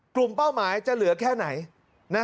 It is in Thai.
เป้าหมายจะเหลือแค่ไหน